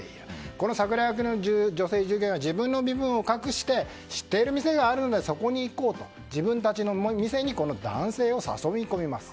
このサクラ役の女性従業員は自分の身分を隠して知っている店があるのでそこに行こうと自分たちの店にこの男性を誘い込みます。